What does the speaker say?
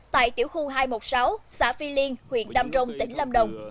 tại tiểu khu hai trăm một mươi sáu xã phi liên huyện đam rông tỉnh lâm đồng